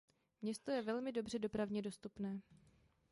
Město je velmi dobře dopravně dostupné.